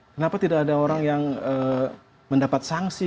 kenapa tidak ada orang yang mendapat sanksi